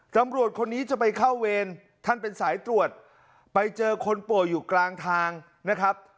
ตำรวจคนนี้จะไปเข้าเวรท่านเป็นสายตรวจไปเจอคนป่วยอยู่กลางทางนะครับ